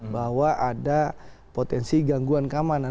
bahwa ada potensi gangguan keamanan